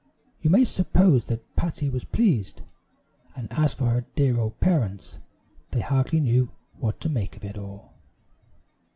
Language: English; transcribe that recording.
You may suppose that Patty was pleased; and as for her dear old parents, they hardly knew what to make of it all.